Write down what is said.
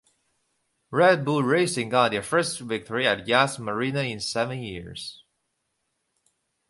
Red Bull Racing got their first victory at Yas Marina in seven years.